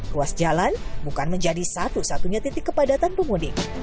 ruas jalan bukan menjadi satu satunya titik kepadatan pemudik